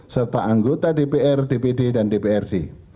serta anggota dpr dpd dan dprd